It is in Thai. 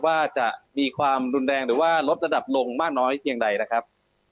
ว่าจะมีความรุนแรงหรือว่าลดระดับลงมากน้อยเพียงใดนะครับ